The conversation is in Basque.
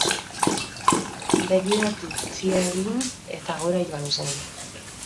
Begiratu bitxia egin, eta gora joan zen.